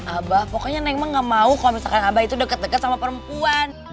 aba pokoknya neng mah gak mau kalau misalkan aba itu deket deket sama perempuan